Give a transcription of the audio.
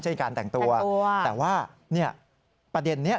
เช่นการแต่งตัวแต่ว่าประเด็นนี้